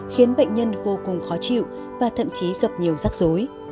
khiến bệnh nhân vô cùng khó chịu và thậm chí gặp nhiều rắc rối